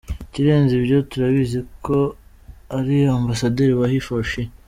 Ikirenze ibyo turabizi ko ari ambasaderi wa HeforShe.